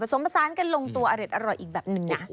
สมผสานกันลงตัวอร็ดอร่อยอีกแบบหนึ่งนะ